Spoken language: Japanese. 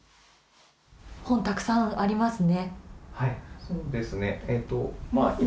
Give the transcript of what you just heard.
本、たくさんありますね。